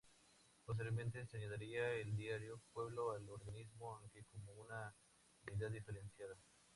Posteriormente se añadiría el diario "Pueblo" al organismo, aunque como una unidad diferenciada.